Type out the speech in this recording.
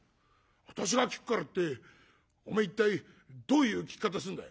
「『私が聞くから』っておめえ一体どういう聞き方すんだよ？」。